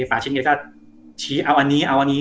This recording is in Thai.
ฝาชิ้นเก็บก็เอาอันนี้เอาอันนี้